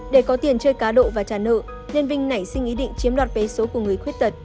để có tiền chơi cá độ và trả nợ nên vinh nảy sinh ý định chiếm đoạt vé số của người khuyết tật